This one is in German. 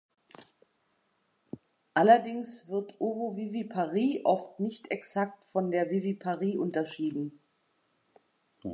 Allerdings wird Ovoviviparie oft nicht exakt von der Viviparie unterschieden.